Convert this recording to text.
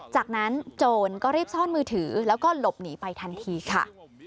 จากนั้นโจรก็รีบซ่อนมือถือแล้วก็หลบหนีไปทันทีค่ะ